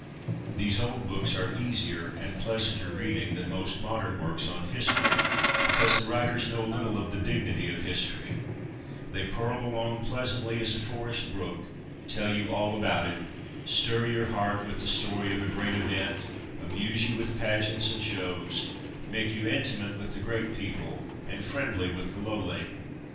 These old books are easier and pleasanter reading than most modern works on history, because the writers know little of the ' dignity of history '; they purl along pleasantly as a forest brook, tell you ' all about it,' stir your heart with the story of a great event, amuse you with pageants and shows, make you intimate with the great people, and friendly with the lowly.